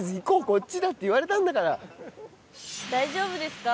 大丈夫ですか？